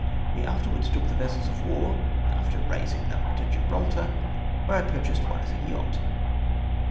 We afterwards took the vessels of war after raising them to Gi]3raltar, where I purchased one as a yaclit.